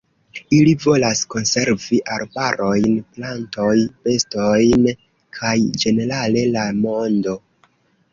Ili volas konservi arbarojn, plantoj, bestojn kaj ĝenerale la mondo.